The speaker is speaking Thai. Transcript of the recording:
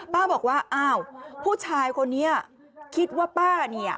บอกว่าอ้าวผู้ชายคนนี้คิดว่าป้าเนี่ย